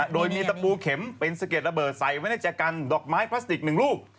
โดยมีตะปูเข็มเป็นสะเก็ดระเบิดใส่ไว้ในแจกันดอกไม้พลาสติกหนึ่งลูก